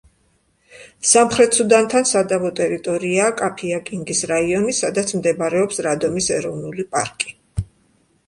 სამხრეთ სუდანთან სადავო ტერიტორიაა კაფია-კინგის რაიონი, სადაც მდებარეობს რადომის ეროვნული პარკი.